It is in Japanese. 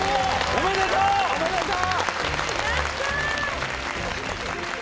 おめでとう！